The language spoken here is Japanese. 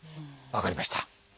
分かりました。